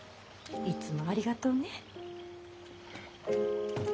いつもありがとうね。